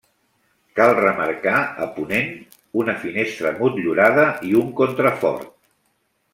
Cal remarcar, a ponent, una finestra motllurada i un contrafort.